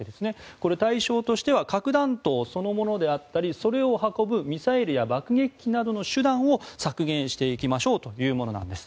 これ、対象としては核弾頭そのものであったりそれを運ぶミサイルや爆撃機などの手段を削減していきましょうというものなんです。